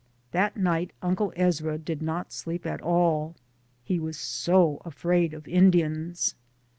That night Uncle Ezra did not sleep at all, he was so afraid of Indians.